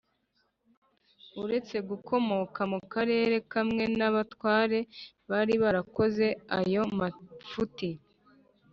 uretse gukomoka mu karere kamwe n' abatware bari barakoze ayo mafuti,